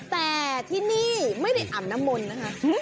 แต่ที่นี่ไม่ได้อาบน้ำมนต์นะคะ